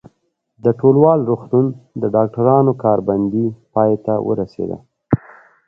د ټولوال روغتون د ډاکټرانو کار بندي پای ته ورسېده.